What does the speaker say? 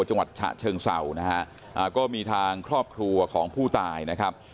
จังหวัดฉะเชิงเศร้านะฮะอ่าก็มีทางครอบครัวของผู้ตายนะครับ